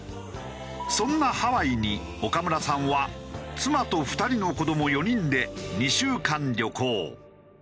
そんなハワイに岡村さんは妻と２人の子ども４人で２週間旅行。